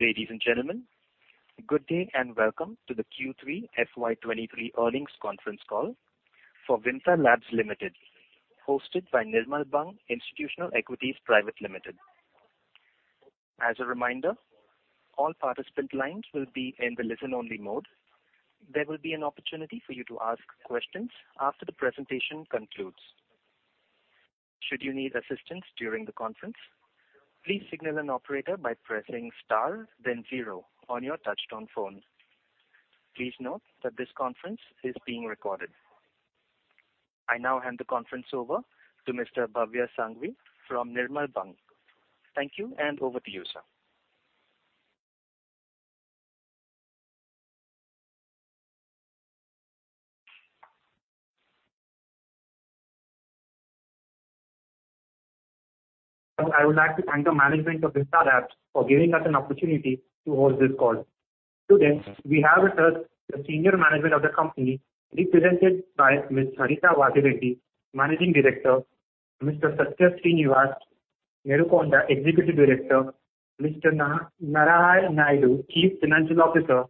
Ladies and gentlemen, good day and welcome to the Q3 FY 2023 Earnings Conference Call for Vimta Labs Limited, hosted by Nirmal Bang Institutional Equities Private Limited. As a reminder, all participant lines will be in the listen-only mode. There will be an opportunity for you to ask questions after the presentation concludes. Should you need assistance during the conference, please signal an operator by pressing star then zero on your touched-on phone. Please note that this conference is being recorded. I now hand the conference over to Mr. Bhavya Sanghvi from Nirmal Bang. Thank you and over to you, sir. I would like to thank the management of Vimta Labs for giving us an opportunity to host this call. Today, we have with us the senior management of the company represented by Ms. Harita Vasireddi, Managing Director, Mr. Satya Sreenivas Neerukonda, Executive Director, Mr. Narahari Naidu, Chief Financial Officer,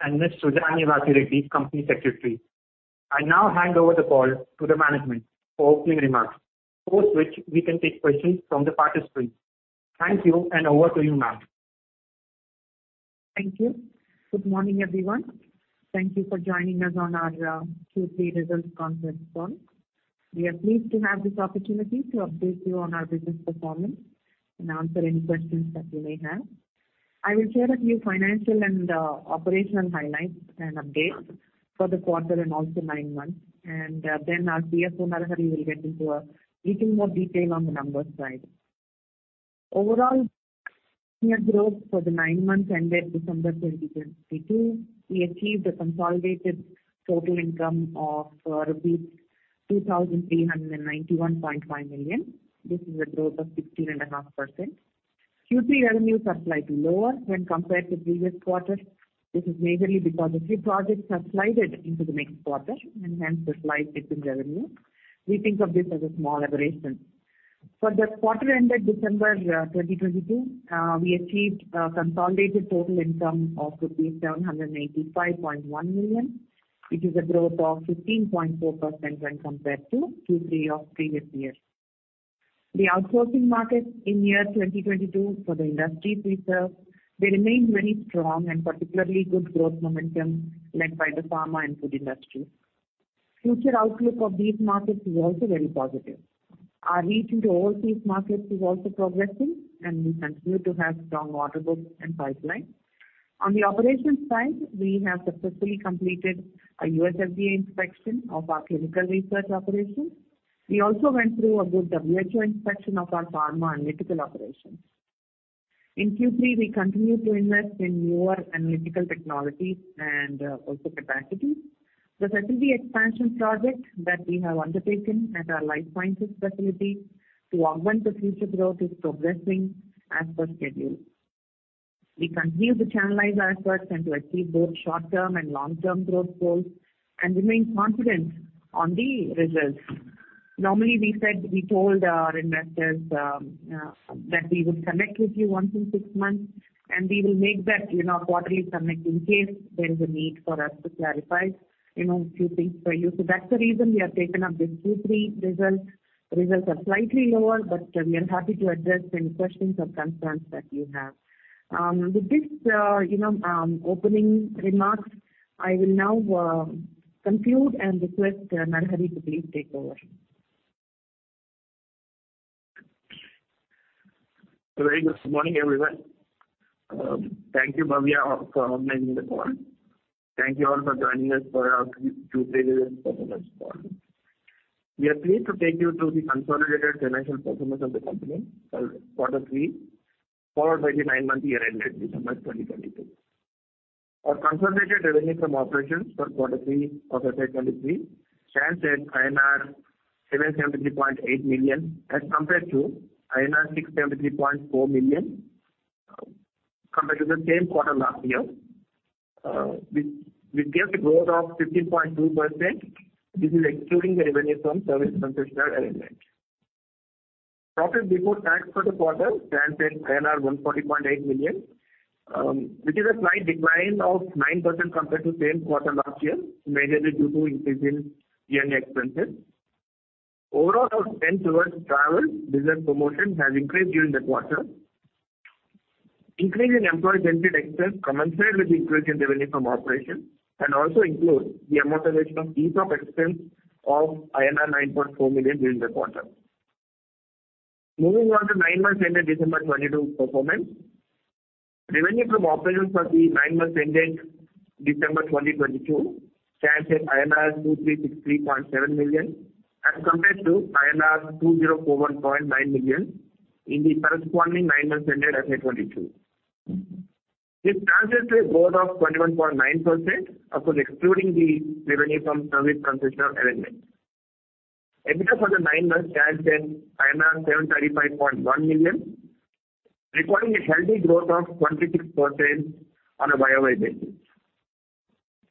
and Ms. Sujani Vasireddi, Company Secretary. I now hand over the call to the management for opening remarks. Post which we can take questions from the participants. Thank you and over to you, ma'am. Thank you. Good morning, everyone. Thank you for joining us on our Q3 results conference call. We are pleased to have this opportunity to update you on our business performance and answer any questions that you may have. I will share a few financial and operational highlights and updates for the quarter and also nine months. Then our CFO Narahari will get into little more detail on the numbers side. Overall growth for the nine months ended December 2022, we achieved a consolidated total income of rupees 2,391.5 million. This is a growth of 16.5%. Q3 revenues are slightly lower when compared to previous quarter. This is majorly because a few projects have slid into the next quarter and hence the slight dip in revenue. We think of this as a small aberration. For the quarter ended December 2022, we achieved a consolidated total income of rupees 785.1 million, which is a growth of 15.4% when compared to Q3 of previous year. The outsourcing markets in year 2022 for the industries we serve, they remained very strong and particularly good growth momentum led by the pharma and food industry. Future outlook of these markets is also very positive. Our reach into all these markets is also progressing, and we continue to have strong order book and pipeline. On the operations side, we have successfully completed a U.S. FDA inspection of our clinical research operations. We also went through a good WHO inspection of our pharma analytical operations. In Q3, we continue to invest in newer analytical technologies and also capacity. The facility expansion project that we have undertaken at our life sciences facility to augment the future growth is progressing as per schedule. We continue to channelize our efforts and to achieve both short-term and long-term growth goals and remain confident on the results. Normally, we said we told our investors that we would connect with you once in six months, and we will make that, you know, quarterly connect in case there is a need for us to clarify, you know, a few things for you. That's the reason we have taken up this Q3 results. Results are slightly lower, but we are happy to address any questions or concerns that you have. With this, you know, opening remarks, I will now conclude and request Narahari to please take over. A very good morning, everyone. Thank you, Bhavya, for organizing the call. Thank you all for joining us for our Q3 results performance call. We are pleased to take you through the consolidated financial performance of the company for quarter three, followed by the nine-month year ended December 2022. Our consolidated revenue from operations for quarter three of FY 2023 stands at INR 773.8 million as compared to INR 673.4 million compared to the same quarter last year. W e gave a growth of 15.2%. This is excluding the revenue from service transition arrangement. Profit before tax for the quarter stands at 140.8 million, which is a slight decline of 9% compared to same quarter last year, majorly due to increase in P&L expenses. Overall, our spend towards travel, business promotion has increased during the quarter. Increase in employee-generated expense commensurate with increase in revenue from operations and also includes the amortization of lease-up expense of INR 9.4 million during the quarter. Moving on to nine months ended December 2022 performance. Revenue from operations for the nine months ended December 2022 stands at INR 2,363.7 million as compared to INR 2,041.9 million in the corresponding nine months ended FY 2022. This translates a growth of 21.9%, of course excluding the revenue from service transition arrangement. EBITDA for the nine months stands at 735.1 million, recording a healthy growth of 26% on a YOY basis.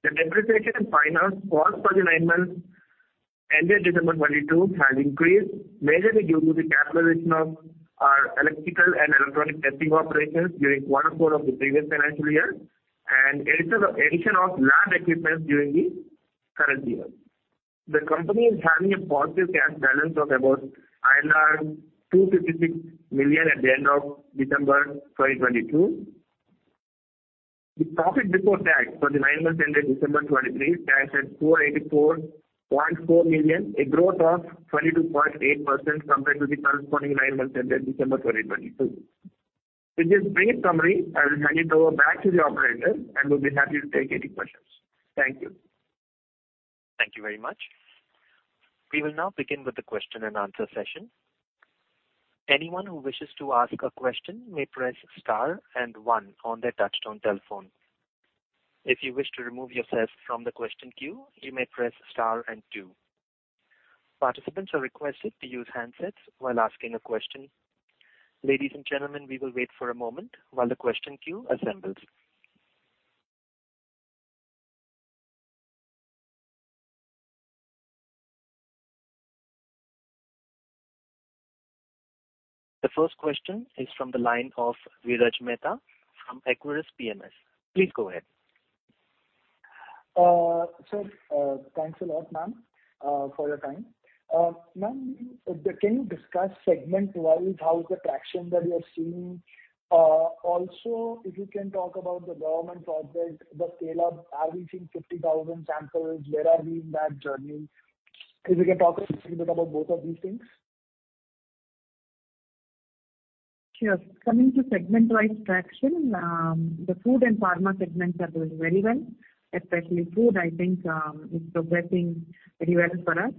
The depreciation and finance for the nine months ended December 2022 has increased, mainly due to the capitalization of our electrical and electronic testing operations during quarter four of the previous financial year and addition of land equipment during the current year. The company is having a positive cash balance of about 256 million at the end of December 2022. The profit before tax for the nine months ended December 2023 stands at 484.4 million, a growth of 22.8% compared to the corresponding nine months ended December 2022. With this brief summary, I will hand it over back to the operator, and we'll be happy to take any questions. Thank you. Thank you very much. We will now begin with the question-and-answer session. Anyone who wishes to ask a question may press star and one on their touchtone telephone. If you wish to remove yourself from the question queue, you may press star and two. Participants are requested to use handsets while asking a question. Ladies and gentlemen, we will wait for a moment while the question queue assembles. The first question is from the line of Viraj Mehta from Equirus PMS. Please go ahead. Thanks a lot, ma'am, for your time. Ma'am, can you discuss segment-wise how is the traction that you are seeing? Also, if you can talk about the government projects, the scale up. Are we seeing 50,000 samples? Where are we in that journey? If you can talk a little bit about both of these things. Sure. Coming to segment-wise traction, the food and pharma segments are doing very well. Especially food, I think, is progressing very well for us.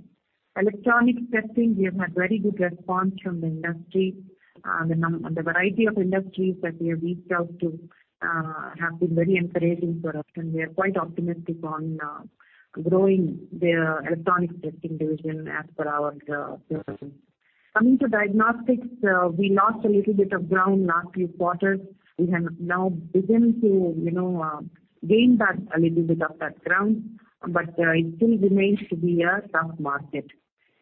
Electronic testing, we have had very good response from the industry. The variety of industries that we have reached out to have been very encouraging for us, and we are quite optimistic on growing the electronic testing division as per our projection. Coming to diagnostics, we lost a little bit of ground last few quarters. We have now begun to, you know, gain back a little bit of that ground, but it still remains to be a tough market.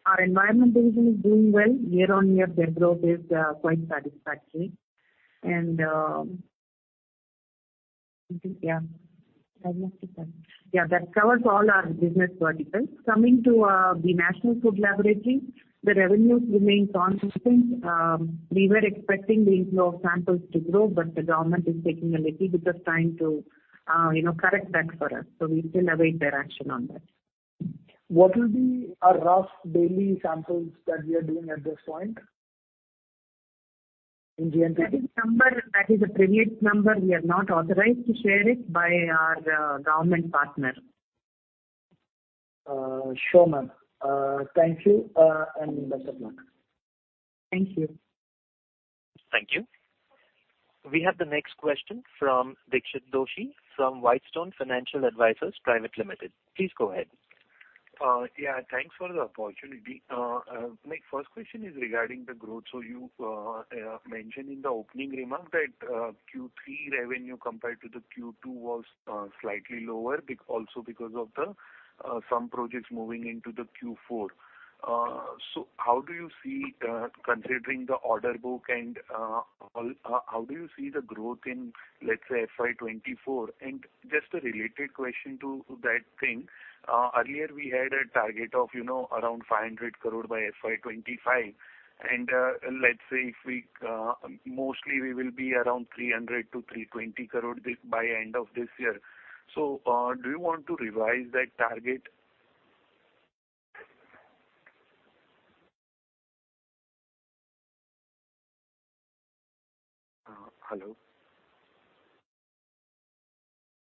Our environment division is doing well. Year-on-year, their growth is quite satisfactory. Yeah. Diagnostics. Yeah. That covers all our business verticals. Coming to the National Food Laboratory, the revenues remain consistent. We were expecting the inflow of samples to grow. The government is taking a little bit of time to, you know, correct that for us. We still await their action on that. What will be our rough daily samples that we are doing at this point? I think that is a privileged number. We are not authorized to share it by our government partner. Sure, ma'am. Thank you. Best of luck. Thank you. Thank you. We have the next question from Dixit Doshi from Whitestone Financial Advisors Private Limited. Please go ahead. Yeah, thanks for the opportunity. My first question is regarding the growth. You mentioned in the opening remark that Q3 revenue compared to the Q2 was slightly lower also because of the some projects moving into the Q4. How do you see, considering the order book and all, how do you see the growth in, let's say, FY 2024? Just a related question to that thing. Earlier we had a target of, you know, around 500 crore by FY 2025. Let's say if we mostly we will be around 300 crore-320 crore by end of this year, do you want to revise that target? Hello?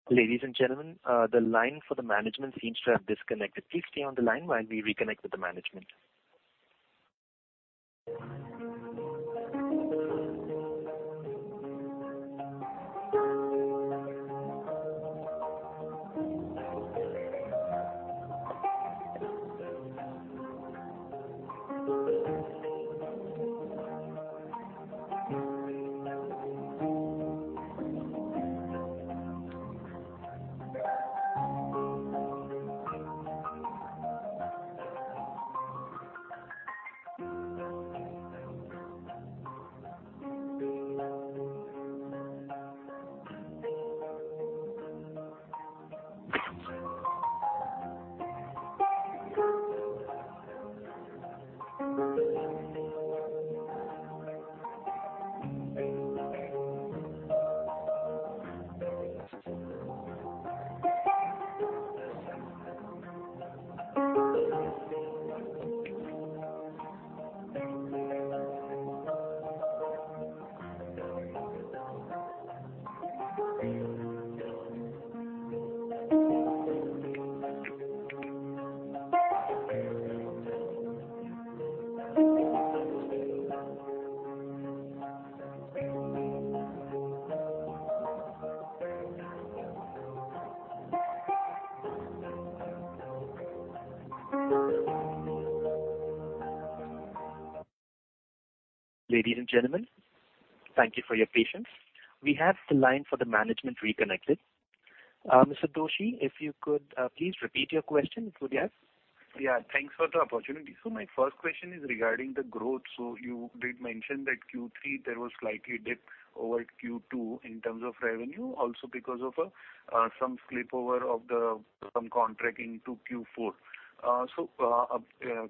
Good evening ladies and gentlemen, the line for the management seems to have disconnected. Please stay on the line while we reconnect with the management. Ladies and gentlemen, thank you for your patience. We have the line for the management reconnected. Mr. Doshi, if you could, please repeat your question, if we could, yes. Thanks for the opportunity. My first question is regarding the growth. You did mention that Q3 there was slightly dip over Q2 in terms of revenue, also because of some slip over of the, some contracting to Q4.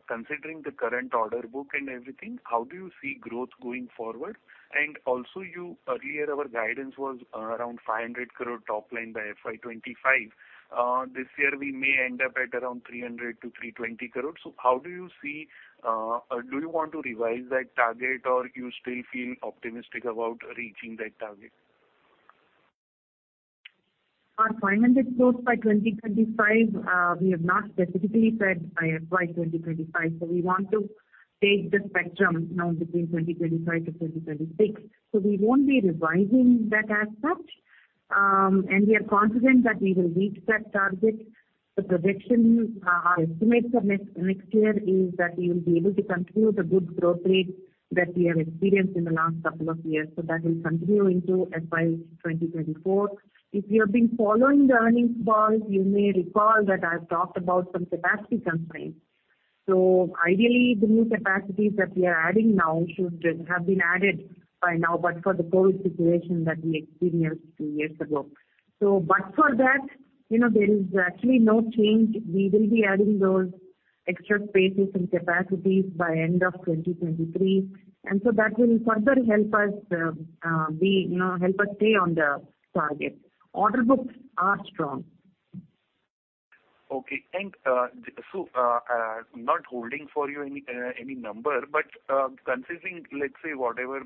Considering the current order book and everything, how do you see growth going forward? You earlier our guidance was around 500 crore top line by FY 2025. This year we may end up at around 300-320 crore. How do you see? Do you want to revise that target or you still feel optimistic about reaching that target? Our INR 500 crore by 2025, we have not specifically said by FY 2025. We want to take the spectrum now between 2025 to 2026. We won't be revising that as such. And we are confident that we will reach that target. The projection, our estimates of next year is that we will be able to continue the good growth rate that we have experienced in the last couple of years. That will continue into FY 2024. If you have been following the earnings calls, you may recall that I've talked about some capacity constraints. Ideally the new capacities that we are adding now should have been added by now, but for the COVID situation that we experienced two years ago. But for that, you know, there is actually no change. We will be adding those extra spaces and capacities by end of 2023. That will further help us, you know, help us stay on the target. Order books are strong. Okay, thanks. not holding for you any any number, but considering, let's say, whatever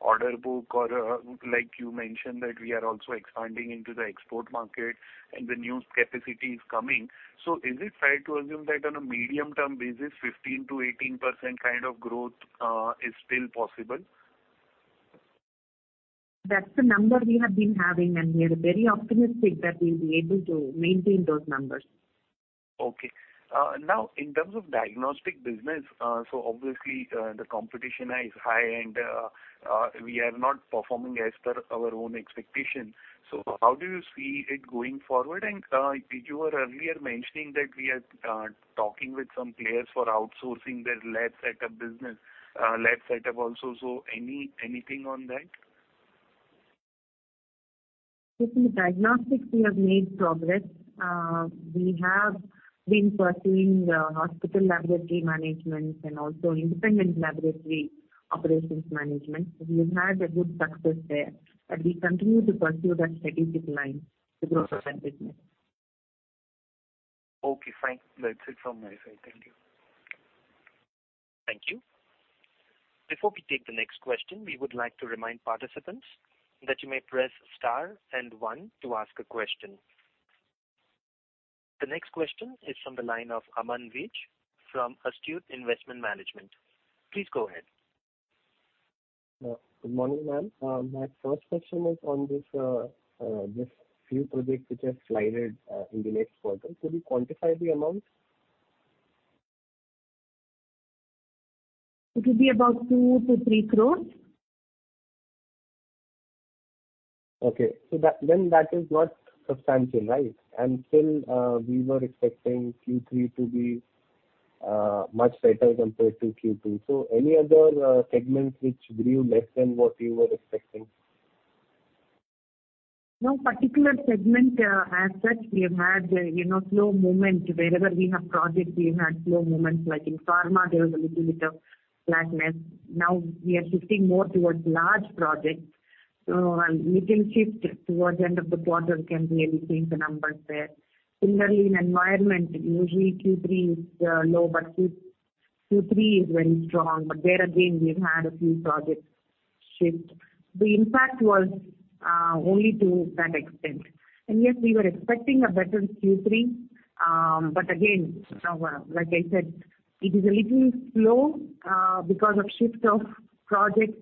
order book or, like you mentioned, that we are also expanding into the export market and the new capacity is coming. Is it fair to assume that on a medium-term basis, 15%-18% kind of growth is still possible? That's the number we have been having, and we are very optimistic that we'll be able to maintain those numbers. Okay. Now in terms of diagnostic business, obviously, the competition is high, and we are not performing as per our own expectations. How do you see it going forward? You were earlier mentioning that we are talking with some players for outsourcing their lab setup business, lab setup also. Anything on that? Look, in the diagnostics we have made progress. We have been pursuing the hospital laboratory management and also independent laboratory operations management. We've had a good success there. We continue to pursue that strategic line to grow further business. Okay, fine. That's it from my side. Thank you. Thank you. Before we take the next question, we would like to remind participants that you may press star and one to ask a question. The next question is from the line of Aman Vij from Astute Investment Management. Please go ahead. Good morning, ma'am. My first question is on this few projects which have slided in the next quarter. Could you quantify the amounts? It will be about 2-3 crores. Okay. Then that is not substantial, right? Still, we were expecting Q3 to be much better compared to Q2. Any other segments which grew less than what you were expecting? No particular segment as such. We have had, you know, slow movement. Wherever we have projects, we have had slow movements. Like in pharma, there was a little bit of flatness. Now we are shifting more towards large projects. A little shift towards the end of the quarter can really change the numbers there. Similarly, in environment, usually Q3 is low, but Q3 is very strong. There again we've had a few projects shift. The impact was only to that extent. Yes, we were expecting a better Q3. Again, like I said, it is a little slow because of shift of projects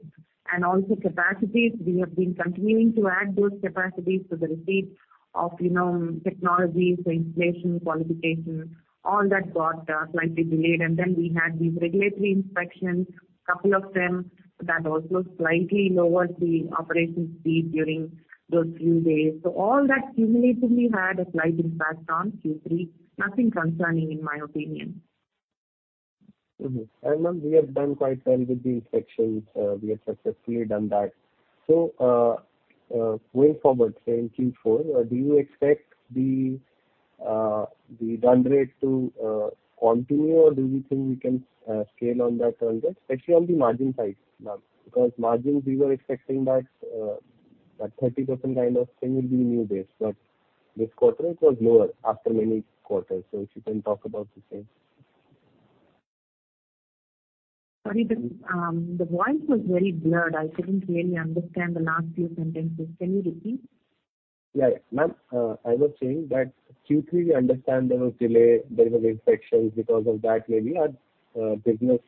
and also capacities. We have been continuing to add those capacities. The receipt of, you know, technologies, the installation, qualification, all that got slightly delayed. We had these regulatory inspections, couple of them, that also slightly lowered the operation speed during those few days. All that cumulatively had a slight impact on Q3. Nothing concerning in my opinion. Ma'am, we have done quite well with the inspections. We have successfully done that. Going forward, say in Q4, do you expect the run rate to continue, or do you think we can scale on that further, especially on the margin side, ma'am? Margins we were expecting that 30% kind of thing will be new base. This quarter it was lower after many quarters. If you can talk about the same. Sorry, the voice was very blurred. I couldn't really understand the last few sentences. Can you repeat? Yeah. Ma'am, I was saying that Q3 we understand there was delay, there was inspections. Because of that, maybe our business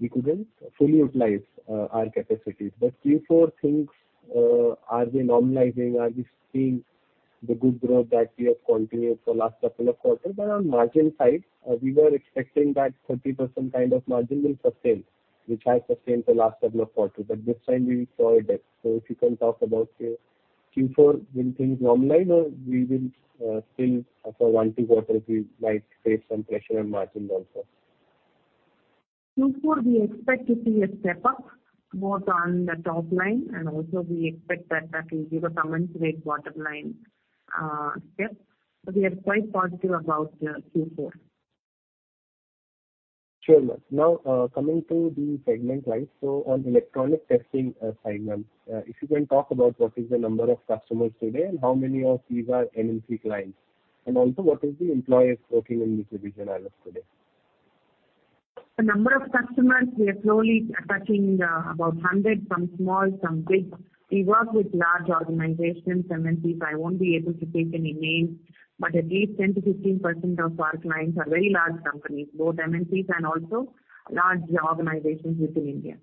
we couldn't fully utilize our capacities. Q4 things, are they normalizing? Are we seeing the good growth that we have continued for last couple of quarter? On margin side, we were expecting that 30% kind of margin will sustain, which has sustained the last couple of quarter, but this time we saw a dip. If you can talk about Q4, will things normalize or we will still for 1, 2 quarter, we might face some pressure on margin also? Q4 we expect to see a step up both on the top line and also we expect that that will give a commensurate bottom line, step. We are quite positive about, Q4. Sure, ma'am. Coming to the segment wise. On electronic testing, segment, if you can talk about what is the number of customers today and how many of these are MNC clients. What is the employees working in this division as of today? The number of customers, we are slowly touching, about 100, some small, some big. We work with large organizations, MNCs. I won't be able to take any names, but at least 10%-15% of our clients are very large companies, both MNCs and also large organizations within India.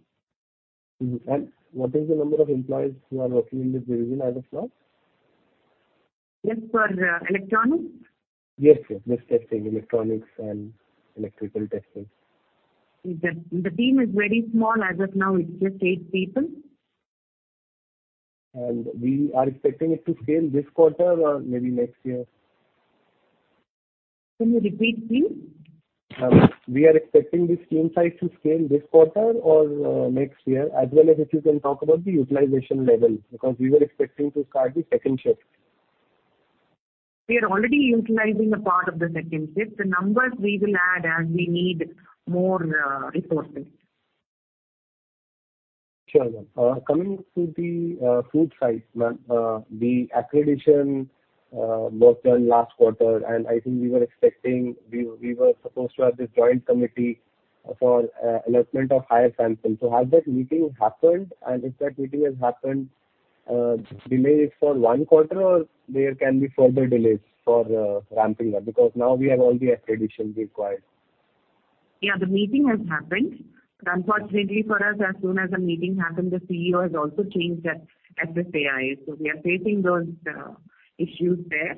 Mm-hmm. What is the number of employees who are working in this division as of now? Just for electronics? Yes, yes. This testing. Electronics and electrical testing. The team is very small. As of now, it's just eight people. We are expecting it to scale this quarter or maybe next year? Can you repeat please? We are expecting this team size to scale this quarter or next year, as well as if you can talk about the utilization level, because we were expecting to start the second shift? We are already utilizing a part of the second shift. The numbers we will add as we need more resources. Sure, ma'am. Coming to the food side, ma'am. The accreditation was done last quarter, and I think we were supposed to have this joint committee for allotment of higher samples. Has that meeting happened? If that meeting has happened, delay is for 1 quarter, or there can be further delays for ramping up? Because now we have all the accreditations required. Yeah, the meeting has happened. Unfortunately for us, as soon as the meeting happened, the CEO has also changed at the FSSAI. We are facing those issues there.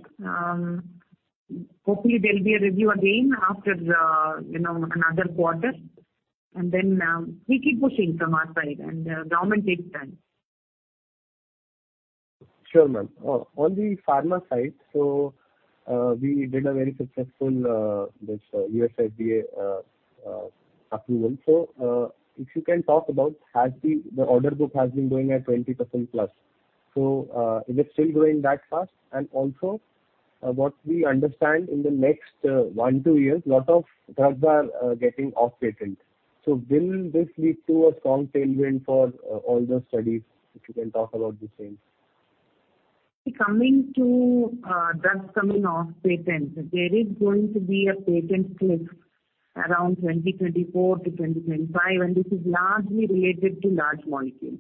Hopefully there'll be a review again after, you know, another quarter. We keep pushing from our side. Government takes time. Sure, ma'am. On the pharma side, we did a very successful this U.S. FDA approval. If you can talk about, the order book has been growing at 20%+. Is it still growing that fast? Also, what we understand in the next one, two years, lot of drugs are getting off patent. Will this lead to a strong tailwind for all the studies, if you can talk about the same? Coming to drugs coming off patent, there is going to be a patent cliff around 2024 to 2025, and this is largely related to large molecules.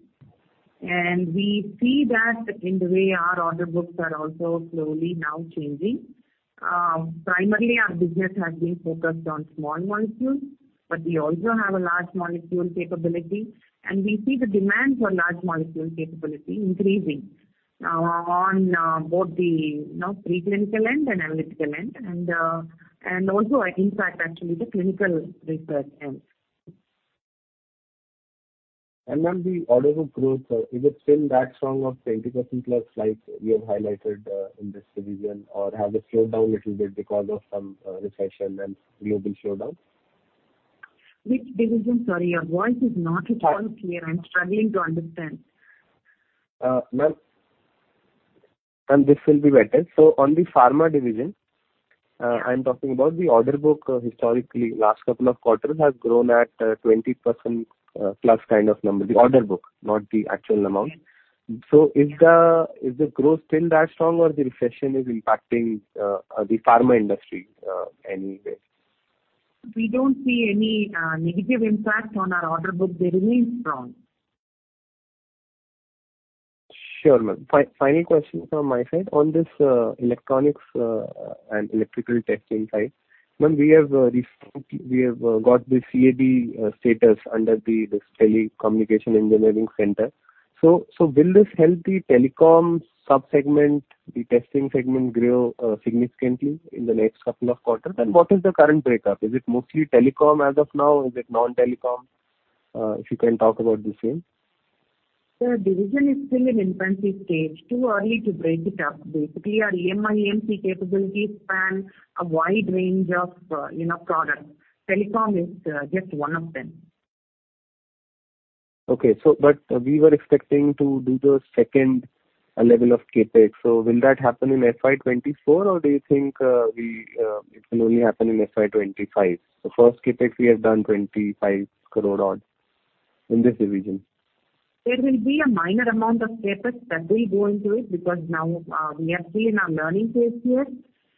We see that in the way our order books are also slowly now changing. Primarily our business has been focused on small molecules, but we also have a large molecule capability, and we see the demand for large molecule capability increasing on both the, you know, preclinical end and analytical end and also I think that actually the clinical research end. Ma'am the order book growth, is it still that strong of 20%+ like you have highlighted, in this division or has it slowed down little bit because of some recession and global slowdown? Which division? Sorry, your voice is not at all clear. I'm struggling to understand. Ma'am, this will be better. On the pharma division. Yeah. I'm talking about the order book historically, last couple of quarters has grown at 20% plus kind of number. The order book, not the actual amount. Is the growth still that strong or the recession is impacting the pharma industry any way? We don't see any negative impact on our order book. They remain strong. Sure, ma'am. Final question from my side. On this electronics and electrical testing side, ma'am, we have recently got the CAB status under this Telecommunication Engineering Centre. Will this help the telecom sub-segment, the testing segment grow significantly in the next couple of quarters? What is the current breakup? Is it mostly telecom as of now? Is it non-telecom? If you can talk about the same? The division is still in infancy stage. Too early to break it up. Basically our EMI EMC capabilities span a wide range of, you know, products. Telecom is just one of them. Okay. We were expecting to do the second level of CapEx. Will that happen in FY 2024 or do you think we, it will only happen in FY 2025? The first CapEx we have done 25 crore odds in this division. There will be a minor amount of CapEx that will go into it because now, we are still in our learning phase here.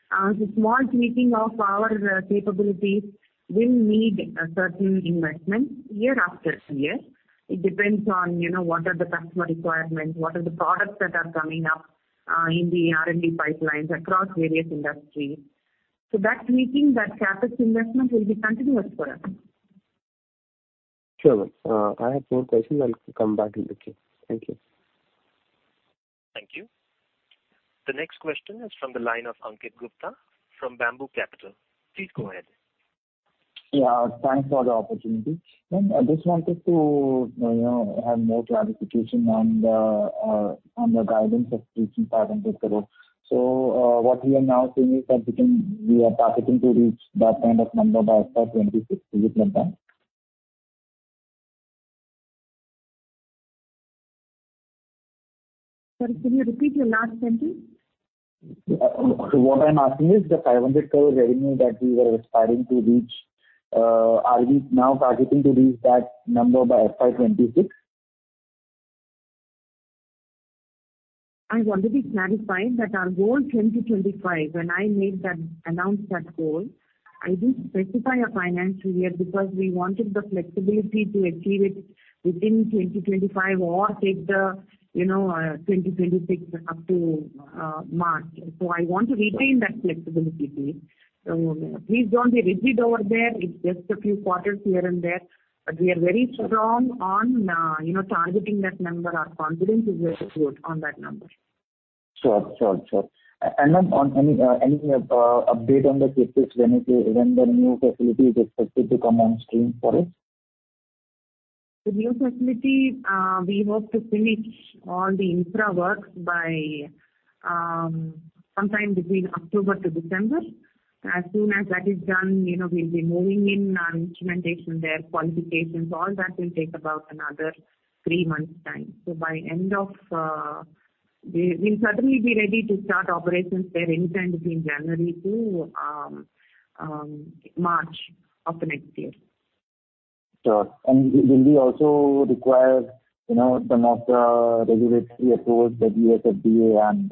The small tweaking of our capabilities will need a certain investment year after year. It depends on, you know, what are the customer requirements, what are the products that are coming up, in the R&D pipelines across various industries. That tweaking, that CapEx investment will be continuous for us. Sure, ma'am. I have more questions. I'll come back in the queue. Thank you. Thank you. The next question is from the line of Ankit Gupta from Bamboo Capital. Please go ahead. Thanks for the opportunity. Ma'am, I just wanted to, you know, have more clarification on the guidance of reaching INR 500 crore. What we are now saying is that we are targeting to reach that kind of number by FY 2026. Is it like that? Sorry, can you repeat your last sentence? What I'm asking is the 500 crore revenue that we were aspiring to reach, are we now targeting to reach that number by FY 2026? I want to be clarified that our goal 2025, when I announced that goal, I didn't specify a financial year because we wanted the flexibility to achieve it within 2025 or take the, you know, 2026 up to March. I want to retain that flexibility, please. Please don't be rigid over there. It's just a few quarters here and there. We are very strong on, you know, targeting that number. Our confidence is very good on that number. Sure. Ma'am, on any update on the CapEx when the new facility is expected to come on stream for us? The new facility, we hope to finish all the infra works by sometime between October to December. As soon as that is done, you know, we'll be moving in our instrumentation there, qualifications, all that will take about another three months' time. By end of, we'll certainly be ready to start operations there anytime between January to March of next year. Sure. Will we also require, you know, some of the regulatory approvals, the U.S. FDA and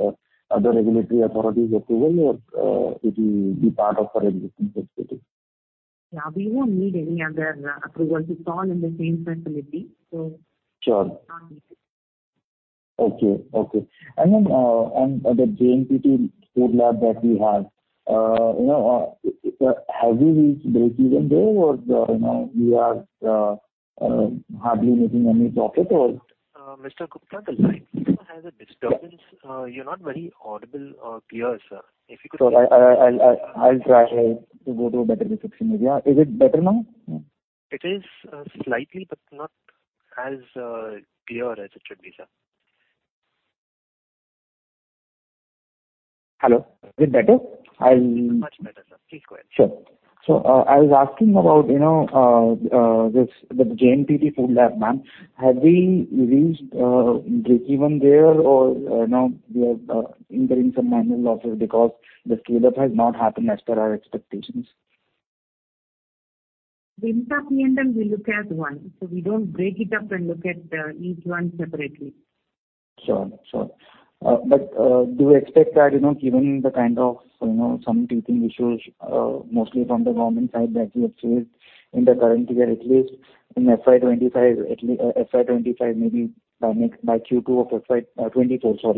other regulatory authorities approval or it will be part of our existing facility? We won't need any other approvals. It's all in the same facility. Sure. Not needed. Okay. Okay. The GMP food lab that we have, you know, have we reached breakeven there or, you know, we are hardly making any profit or? Mr. Gupta, the line has a disturbance. You're not very audible or clear, sir. Sorry. I'll try to go to a better reception area. Is it better now? It is, slightly but not as, clear as it should be, sir. Hello. Is it better? Much better, sir. Please go ahead. Sure. I was asking about, you know, this, the GMP food lab, ma'am. Have we reached breakeven there or, you know, we are enduring some manual losses because the scale-up has not happened as per our expectations? The infra P&L we look at one. We don't break it up and look at, each one separately. Sure. Sure. Do you expect that, you know, given the kind of, you know, some teething issues, mostly from the government side that you have faced in the current year, by Q2 of FY 2024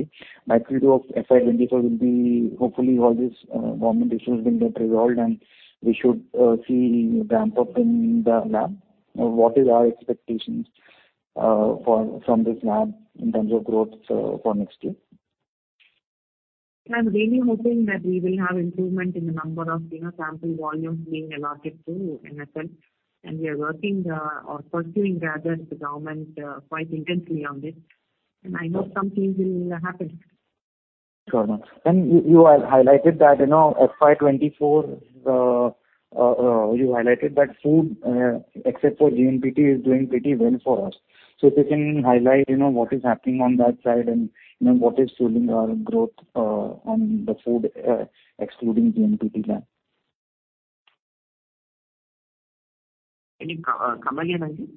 will be hopefully all these government issues will get resolved and we should see ramp-up in the lab. What is our expectations from this lab in terms of growth for next year? I'm really hoping that we will have improvement in the number of, you know, sample volumes being allotted to NFL. We are working, or pursuing rather the government, quite intensely on this. I hope something will happen. Sure, ma'am. You had highlighted that, you know, FY 2024, you highlighted that food, except for GMP, is doing pretty well for us. If you can highlight, you know, what is happening on that side and, you know, what is fueling our growth on the food, excluding GMP lab. Any co-comment here, Ankit?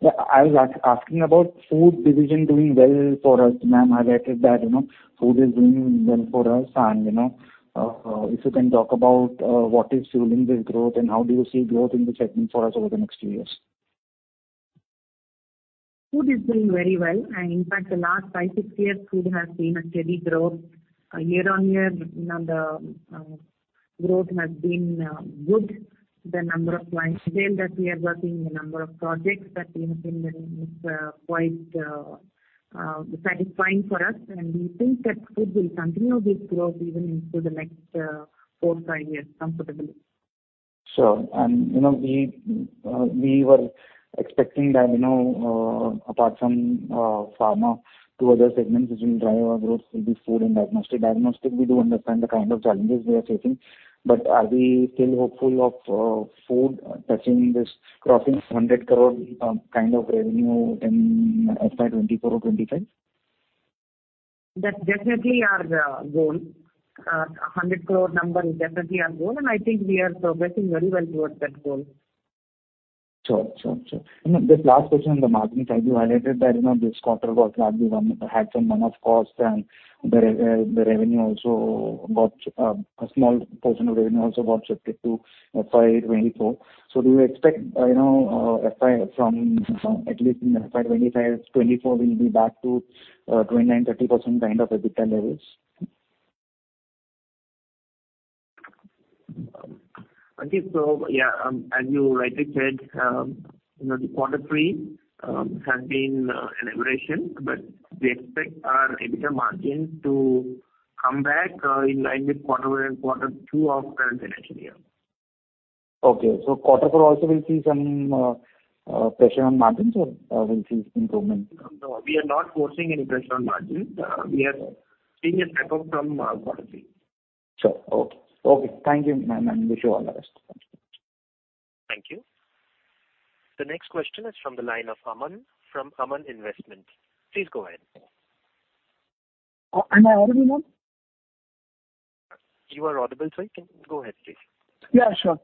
Yeah. I was asking about food division doing well for us. Ma'am highlighted that, you know, food is doing well for us and, you know, if you can talk about what is fueling this growth and how do you see growth in the segment for us over the next few years. Food is doing very well. In fact, the last five, six years, food has seen a steady growth. Year-over-year, you know, the growth has been good. The number of client base that we are working, the number of projects that we have been winning is quite satisfying for us. We think that food will continue this growth even into the next four, five years comfortably. Sure. You know, we were expecting that, you know, apart from pharma, two other segments which will drive our growth will be food and diagnostic. Diagnostic we do understand the kind of challenges we are facing, but are we still hopeful of food touching this, crossing 100 crore kind of revenue in FY 2024 or 2025? That's definitely our goal. 100 crore number is definitely our goal. I think we are progressing very well towards that goal. Sure, sure. Just last question on the margin side. You highlighted that, you know, this quarter was largely had some one-off costs and the revenue also got a small portion of revenue also got shifted to FY 2024. Do you expect, you know, FY from at least in FY 2025, 2024 we'll be back to 29%-30% kind of EBITDA levels? Okay. Yeah, as you rightly said, you know, the Q3 has been an aberration. We expect our EBITDA margin to come back in line with Q2 of current financial year. Okay. Quarter four also we'll see some pressure on margins or we'll see improvement? We are not forcing any pressure on margins. We are seeing a step up from quarter three. Sure. Okay. Okay. Thank you, ma'am. Wish you all the best. Thank you. Thank you. The next question is from the line of Aman from Aman Investment. Please go ahead. Am I audible, ma'am? You are audible, sir. You can go ahead, please. Yeah, sure.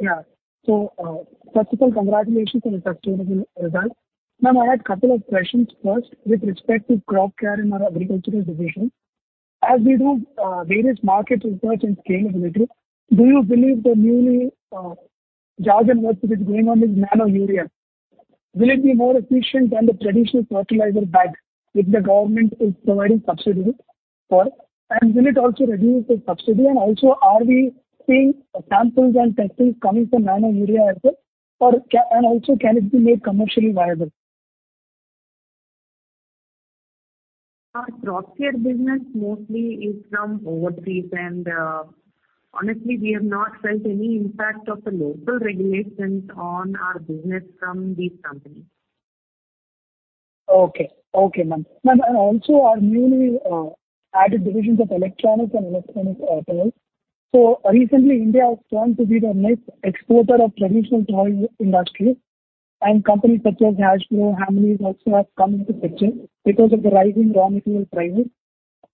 Yeah. First of all, congratulations on the sustainable result. Ma'am, I had couple of questions. First, with respect to crop care in our agricultural division, as we do various market research and scanning of the group, do you believe the newly jargon word which is going on is Nano Urea? Will it be more efficient than the traditional fertilizer bag which the government is providing subsidy for, and will it also reduce the subsidy? Also, are we seeing samples and testing coming from Nano Urea as well? And also can it be made commercially viable? Our crop care business mostly is from overseas and, honestly, we have not felt any impact of the local regulations on our business from these companies. Okay. Okay, Ma'am. Ma'am, also our newly added divisions of electronics and electronic toys. Recently India has turned to be the next exporter of traditional toy industry and companies such as Hasbro, Hamleys also have come into picture because of the rising raw material prices.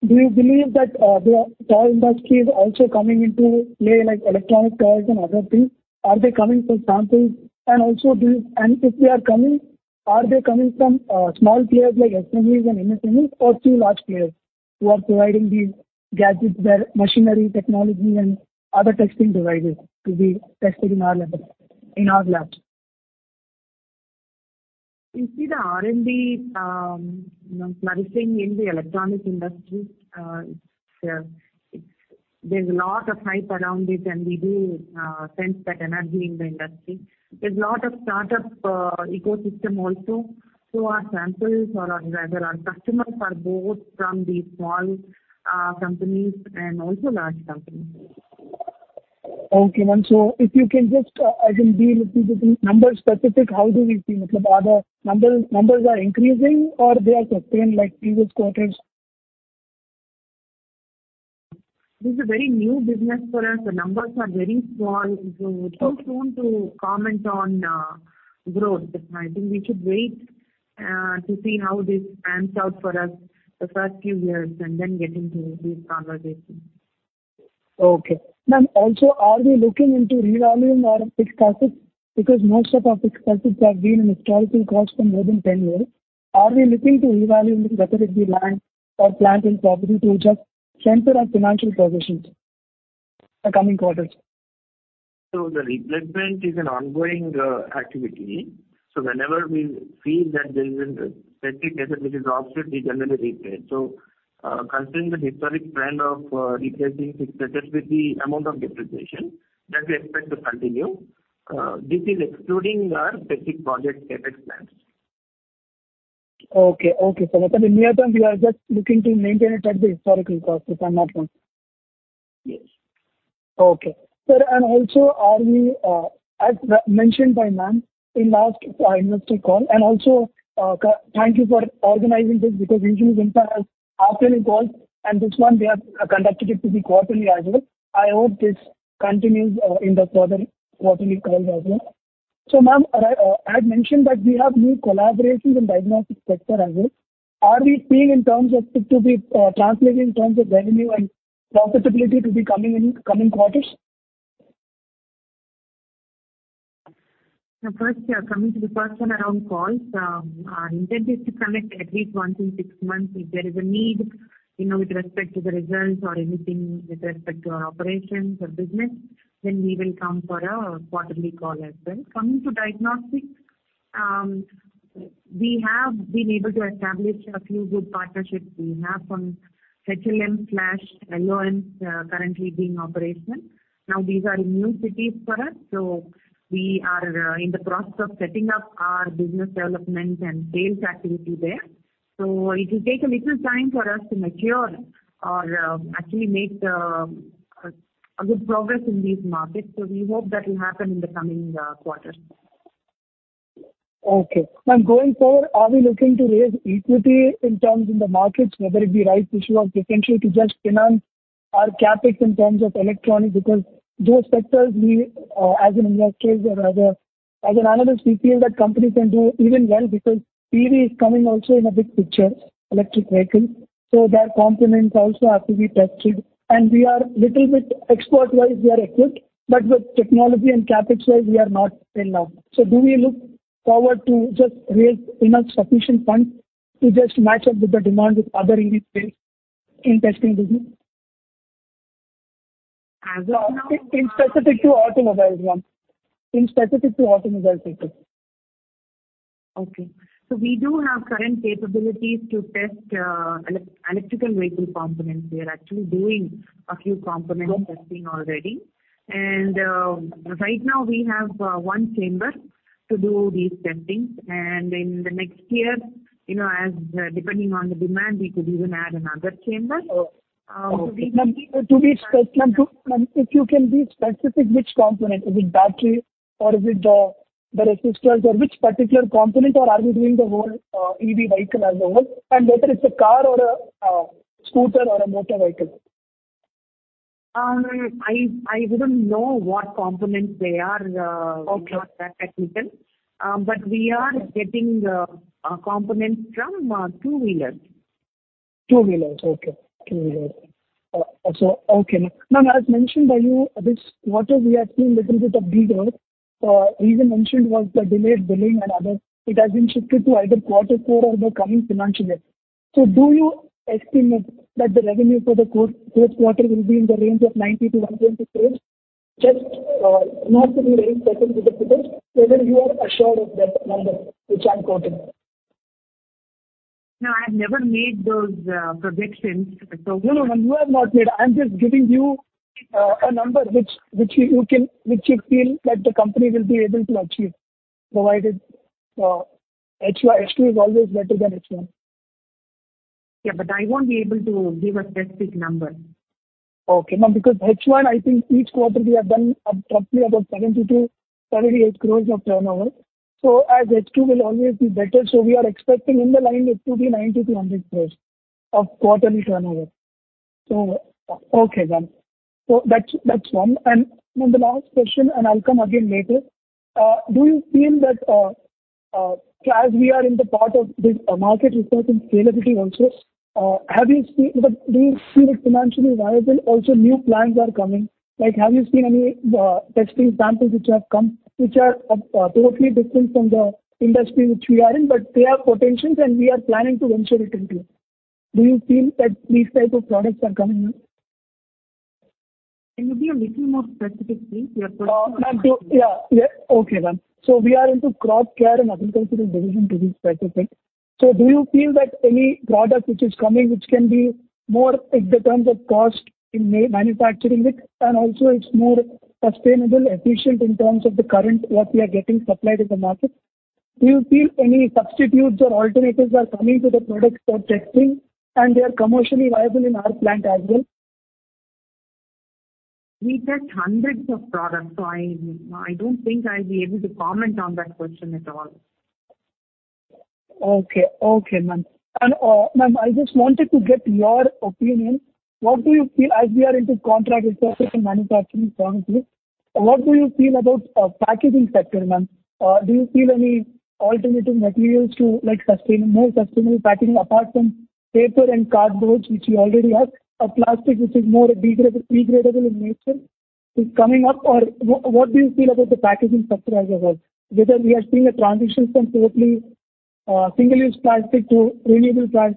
Do you believe that the toy industry is also coming into play like electronic cars and other things? Are they coming for samples? Also if they are coming, are they coming from small players like SMEs and MSMEs or through large players who are providing these gadgets, their machinery, technology and other testing devices to be tested in our labs? We see the R&D, you know, flourishing in the electronics industry. It's there's a lot of hype around it, and we do sense that energy in the industry. There's a lot of startup ecosystem also. Our samples or our, rather our customers are both from these small companies and also large companies. Okay, ma'am. If you can just, I think be little bit numbers specific, how do we see? Like are the numbers increasing or they are sustained like previous quarters? This is a very new business for us. The numbers are very small, so it's too soon to comment on growth. I think we should wait to see how this pans out for us the first few years and then get into these conversations. Okay. Ma'am, also, are we looking into revaluing our fixed assets? Most of our fixed assets have been in historical cost for more than 10 years. Are we looking to revaluing whether it be land or plant and property to just strengthen our financial positions the coming quarters? The replacement is an ongoing activity. Whenever we feel that there is an asset which is obsolete, we generally replace. Considering the historic trend of replacing fixed assets with the amount of depreciation, that we expect to continue. This is excluding our specific project CapEx plans. Okay. Okay. Like in near term, you are just looking to maintain it at the historical cost if I'm not wrong? Yes. Okay. Sir, and also are we, as mentioned by ma'am in last, investor call, and also, thank you for organizing this because usually Wimta has half-yearly calls and this one they have conducted it to be quarterly as well. I hope this continue in the further quarterly calls as well. Ma'am, I had mentioned that we have new collaborations in diagnostic sector as well. Are we seeing in terms of it to be, translating in terms of revenue and profitability to be coming in coming quarters? First, yeah, coming to the question around calls, our intent is to connect at least once in six months. If there is a need, you know, with respect to the results or anything with respect to our operations or business, then we will come for a quarterly call as well. Coming to diagnostics, we have been able to establish a few good partnerships. We have some HLM/LOM currently being operational. Now these are new cities for us, so we are in the process of setting up our business development and sales activity there. It will take a little time for us to mature or actually make a good progress in these markets. We hope that will happen in the coming quarters. Okay. Ma'am, going forward, are we looking to raise equity in terms in the markets, whether it be rights issue or potentially to just finance our CapEx in terms of electronics? Because those sectors we as an investor or rather as an analyst, we feel that company can do even well because EV is coming also in a big picture, electric vehicles, so their components also have to be tested. We are little bit export wise we are equipped, but with technology and CapEx wise we are not till now. Do we look forward to just raise enough sufficient funds to just match up with the demand with other EV space in testing business? As of now. In specific to automobiles, ma'am. In specific to automobile sector. Okay. We do have current capabilities to test, electrical vehicle components. We are actually doing a few component testing already. Right now we have, one chamber to do these testings. In the next year, you know, as, depending on the demand, we could even add another chamber. Oh, okay. Um, we- Ma'am, to be specific, ma'am, if you can be specific which component? Is it battery or is it the resistors or which particular component? Or are we doing the whole EV vehicle as a whole? Whether it's a car or a scooter or a motor vehicle? I wouldn't know what components they are. Okay. We are not that technical. We are getting components from two-wheelers. Two-wheelers. Okay. Two-wheeler. Okay, ma'am. Ma'am, as mentioned by you, this whatever we have seen little bit of beat out, you even mentioned was the delayed billing and other. It has been shifted to either quarter four or the coming financial year. Do you estimate that the revenue for the fourth quarter will be in the range of 90 crore-100 crore? Just, not to be very specific with the figures, whether you are assured of that number which I'm quoting. I've never made those predictions. No, no, ma'am, you have not made. I'm just giving you a number which you can, which you feel that the company will be able to achieve, provided H2 is always better than H1. Yeah, I won't be able to give a specific number. Okay, ma'am. H1, I think each quarter we have done roughly about 70-78 crore of turnover. As H2 will always be better, so we are expecting in the line H2 be 90-100 crore of quarterly turnover. Okay, ma'am. That's, that's one. Ma'am, the last question, and I'll come again later. Do you feel that, as we are in the part of this market research and scalability also, do you see it financially viable? Also new plans are coming. Like, have you seen any testing samples which have come, which are totally different from the industry which we are in, but they have potentials and we are planning to venture it into. Do you feel that these type of products are coming in? Can you be a little more specific, please? Ma'am, yeah. Okay, ma'am. We are into crop care and agricultural division to be specific. Do you feel that any product which is coming which can be more in the terms of cost in manufacturing it, and also it's more sustainable, efficient in terms of the current what we are getting supplied in the market. Do you feel any substitutes or alternatives are coming to the products for testing, and they are commercially viable in our plant as well? We test hundreds of products, I don't think I'll be able to comment on that question at all. Okay. Okay, ma'am. Ma'am, I just wanted to get your opinion. What do you feel as we are into contract research and manufacturing pharmacy, what do you feel about packaging sector, ma'am? Do you feel any alternative materials to like more sustainable packaging apart from paper and cardboard, which we already have? Or plastic which is more degradable in nature is coming up? Or what do you feel about the packaging sector as a whole? Whether we are seeing a transition from totally single-use plastic to renewable plast.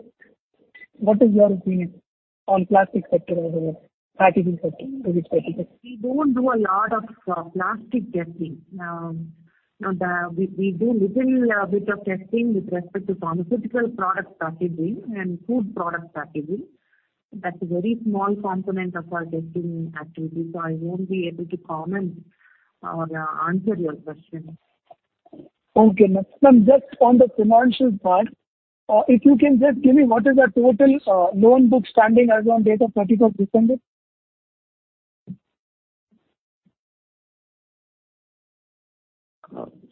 What is your opinion on plastic sector as a whole? Packaging sector to be specific. We don't do a lot of plastic testing. We do little bit of testing with respect to pharmaceutical product packaging and food product packaging. That's a very small component of our testing activity, so I won't be able to comment or answer your question. Okay, ma'am. Ma'am, just on the financial part, if you can just give me what is the total loan book standing as on date of 31st December?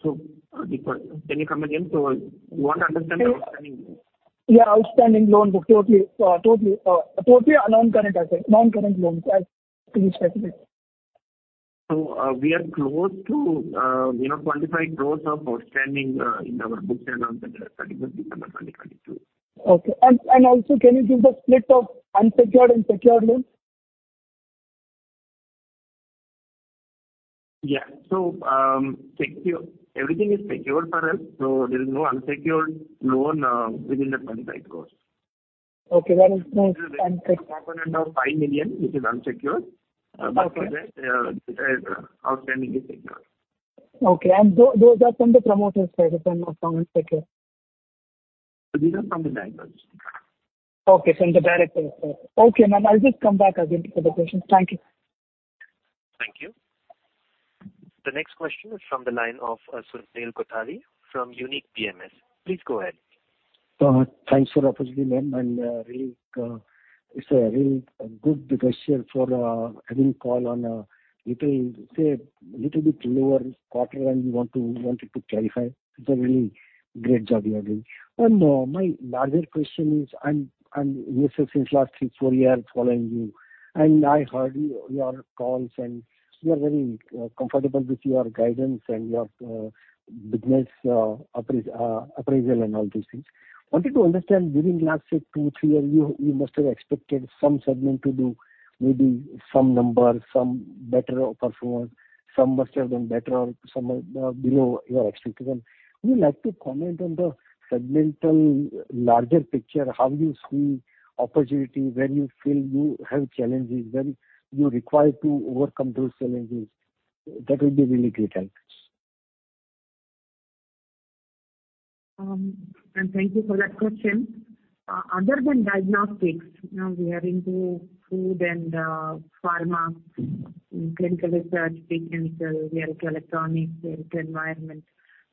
Can you come again? We want to understand the outstanding. Yeah, outstanding loan book. Totally a non-current asset. Non-current loans to be specific. We are close to, you know, 25 crores of outstanding in our books as on date of 31st December 2022. Okay. Also can you give the split of unsecured and secured loans? Yeah. Everything is secured for us, so there is no unsecured loan within the 25 crores. Okay. That is nice. There is a component of 5 million which is unsecured. Okay. The outstanding is secured. Okay. those are from the promoter side, those loans are secured? These are from the directors. Okay, from the director side. Okay, ma'am, I'll just come back again for the questions. Thank you. Thank you. The next question is from the line of Sunil Kothari from Unique PMS. Please go ahead. Thanks for the opportunity, ma'am. Really, it's a really good discussion for having call on a little, say little bit lower quarter. You wanted to clarify. It's a really great job you have done. No, my larger question is I'm here since last three, four years following you, and I heard your calls, and we are very comfortable with your guidance and your business appraisal and all these things. Wanted to understand during last, say two, three years, you must have expected some segment to do maybe some numbers, some better performance. Some must have done better or some below your expectation. Would you like to comment on the segmental larger picture? How do you see opportunity? Where you feel you have challenges? Where you require to overcome those challenges? That would be really great help. Thank you for that question. Other than diagnostics, now we are into food, pharma, clinical research, pre-clinical, medical electronics, medical environment.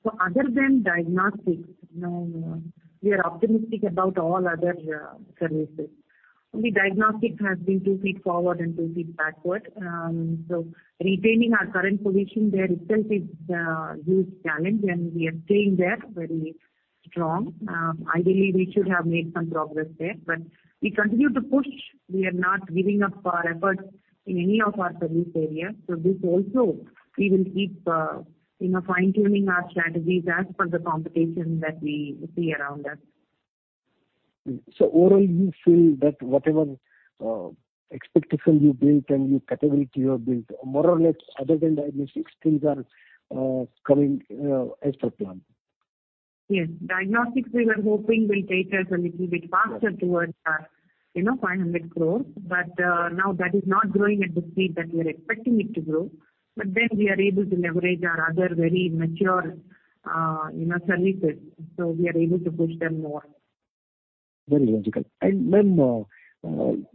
Other than diagnostics, you know, we are optimistic about all other services. Only diagnostics has been two feet forward and two feet backward. Retaining our current position there itself is a huge challenge, and we are staying there very strong. Ideally we should have made some progress there, but we continue to push. We are not giving up our efforts in any of our service areas. This also we will keep, you know, fine-tuning our strategies as per the competition that we see around us. Overall, you feel that whatever, expectation you built and your capability you have built, more or less, other than diagnostics, things are coming as per plan. Yes. Diagnostics we were hoping will take us a little bit faster towards our, you know, 500 crores. Now that is not growing at the speed that we are expecting it to grow. We are able to leverage our other very mature, you know, services. We are able to push them more. Very logical. Ma'am,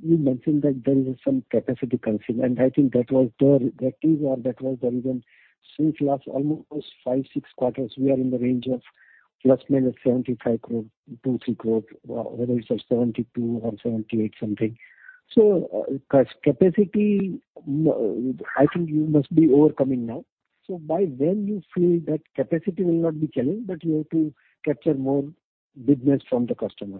you mentioned that there is some capacity constraint, and I think that was there. That is or that was there even since last almost five, six quarters. We are in the range of ±75 crore, 2 crore-3 crore, whether it's a 72 or 78 something. Capacity, I think you must be overcoming now. By when you feel that capacity will not be challenge, but you have to capture more business from the customer?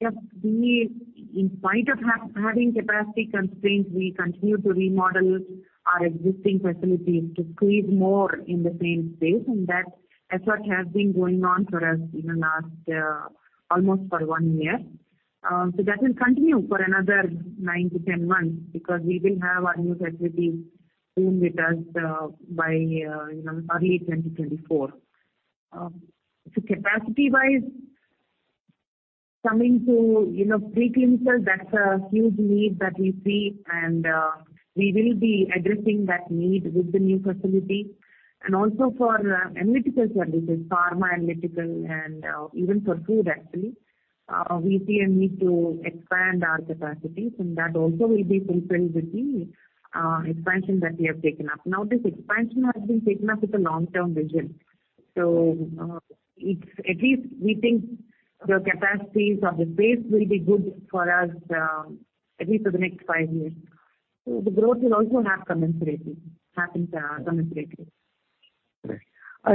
Yes. We in spite of having capacity constraints, we continue to remodel our existing facilities to squeeze more in the same space. That effort has been going on for us in the last, almost for one year. That will continue for another 9-10 months because we will have our new facility soon with us, by, you know, early 2024. Capacity-wise, coming to, you know, pre-clinical, that's a huge need that we see and, we will be addressing that need with the new facility. Also for analytical services, pharma analytical and even for food actually, we see a need to expand our capacities, and that also will be fulfilled with the expansion that we have taken up. This expansion has been taken up with a long-term vision. It's at least we think the capacities or the space will be good for us, at least for the next five years. The growth will also happen commensurately. Right.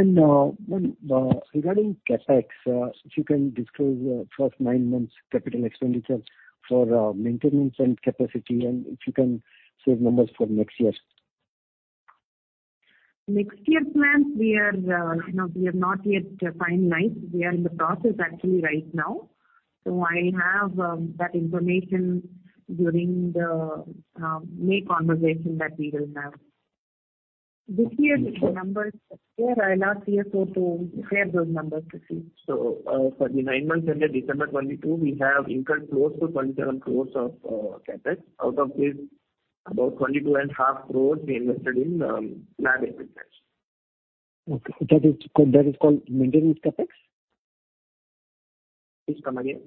Ma'am, regarding CapEx, if you can disclose, first 9 months capital expenditures for maintenance and capacity, and if you can share numbers for next year? Next year's plans we are, you know, we have not yet finalized. We are in the process actually right now. I have that information during the May conversation that we will have. This year's numbers, here I'll ask CSO to share those numbers with you. For the nine months ended December 2022, we have incurred close to 27 crores of CapEx. Out of this, about 22.5 Crores we invested in lab equipments. Okay. That is called maintenance CapEx? Please come again.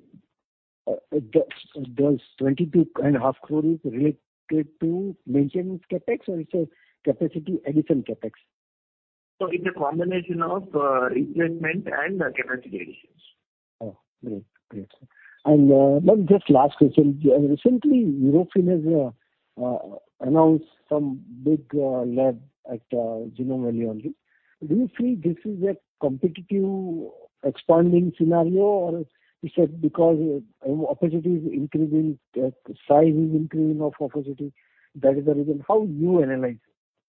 That 22.5 Crore is related to maintenance CapEx or it's a capacity addition CapEx? It's a combination of replacement and capacity additions. Oh, great. Great. Ma'am, just last question. Recently Eurofins has announced some big lab at Genome Valley only. Do you feel this is a competitive expanding scenario or is it because opportunity is increasing, size is increasing of opportunity, that is the reason? How you analyze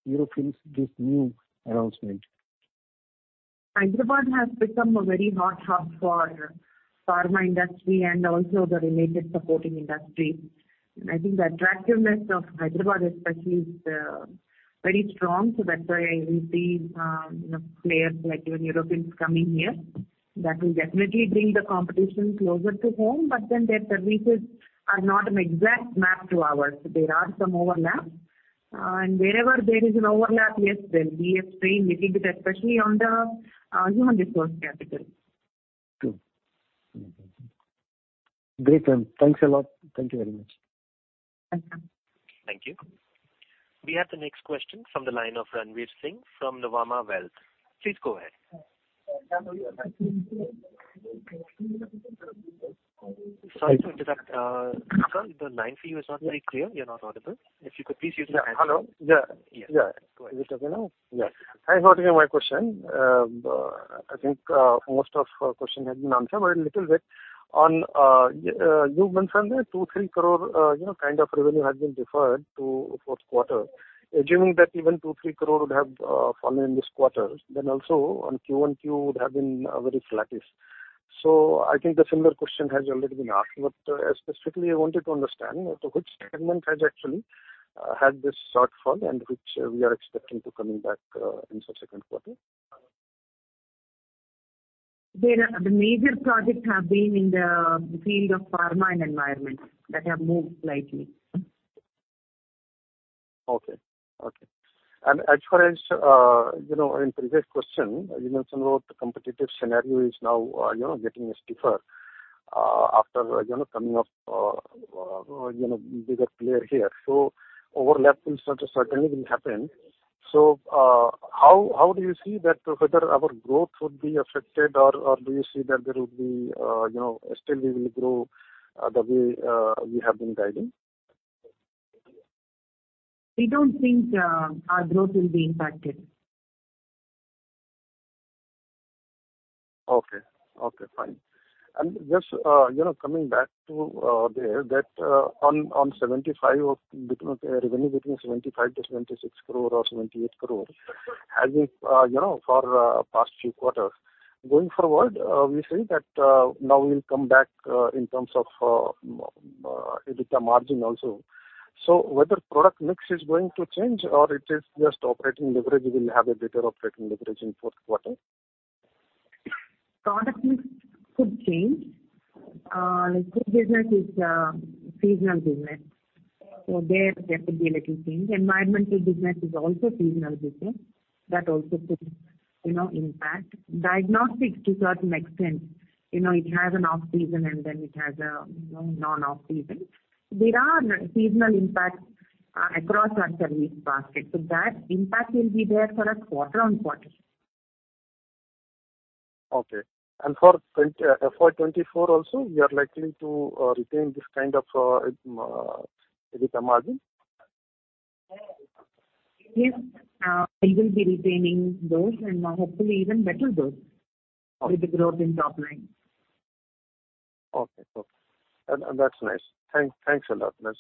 Eurofins', this new announcement? Hyderabad has become a very hot hub for pharma industry and also the related supporting industry. I think the attractiveness of Hyderabad especially is very strong. That's why you see, you know, players like Eurofins coming here. That will definitely bring the competition closer to home. Their services are not an exact match to ours. There are some overlap. Wherever there is an overlap, yes, we have to stay little bit, especially on the, you know, disclosed categories. Good. Mm-hmm. Great, ma'am. Thanks a lot. Thank you very much. Welcome. Thank you. We have the next question from the line of Ranvir Singh from Nuvama Wealth. Please go ahead. Sorry to interrupt. sir, the line for you is not very clear. You're not audible. If you could please use- Yeah. Hello? Yeah. Yeah. Go ahead. ing contract research and testing organization, has announced its financial results for the first quarter of the fiscal year 2024. The company reported a revenue of INR Okay. As far as, you know, in previous question, you mentioned about the competitive scenario is now, you know, getting stiffer, after, you know, coming up, you know, bigger player here. Overlap certainly will happen. How, how do you see that whether our growth would be affected or do you see that there will be, you know, still we will grow, the way, we have been guiding? We don't think our growth will be impacted. Okay. Okay, fine. Just, you know, coming back to there that on 75 of revenue between 75 crore-76 crore or 78 crore, as we, you know, for past few quarters. Going forward, we see that now we'll come back in terms of EBITDA margin also. Whether product mix is going to change or it is just operating leverage, we will have a better operating leverage in fourth quarter? Product mix could change. Food business is seasonal business. There could be a little change. Environmental business is also seasonal business. That also could, you know, impact. Diagnostics to certain extent, you know, it has an off-season and then it has a, you know, non-off-season. There are seasonal impacts across our service basket. That impact will be there for us quarter-on-quarter. Okay. For FY 2024 also you are likely to retain this kind of EBITDA margin? Yes. We will be retaining those and hopefully even better those... Okay. With the growth in top line. Okay. Okay. That's nice. Thanks a lot. That's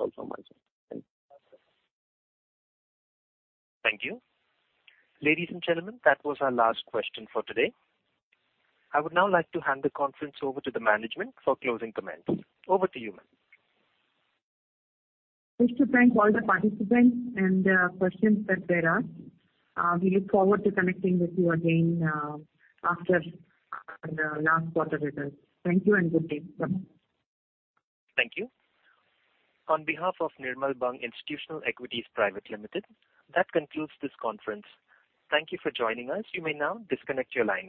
all from my side. Thank you. Thank you. Ladies and gentlemen, that was our last question for today. I would now like to hand the conference over to the management for closing comments. Over to you, ma'am. Just to thank all the participants and questions that were asked. We look forward to connecting with you again after our last quarter results. Thank you and good day. Bye. Thank you. On behalf of Nirmal Bang Institutional Equities Private Limited, that concludes this conference. Thank you for joining us. You may now disconnect your lines.